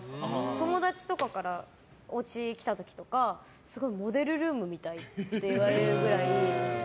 友達とかからおうちに来た時とかすごいモデルルームみたいって言われるぐらい。